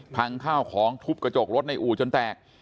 ข้าวของทุบกระจกรถในอู่จนแตก